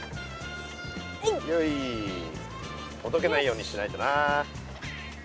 よいほどけないようにしないとな。